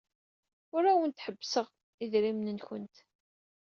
Ur awent-ḥessbeɣ idrimen-nwent.